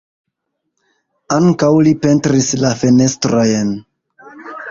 Ankaŭ li pentris la fenestrojn.